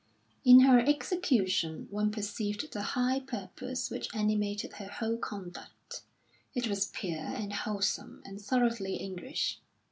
In her execution one perceived the high purpose which animated her whole conduct; it was pure and wholesome, and thoroughly English.